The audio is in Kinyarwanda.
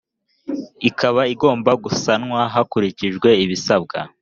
ikaba igomba gusanwa hakurikijwe ibisabwa.